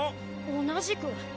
同じく。